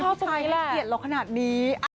พ่อชายให้เกลียดเราขนาดนี้